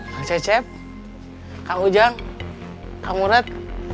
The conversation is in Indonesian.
pak cecep kak ujang kak murad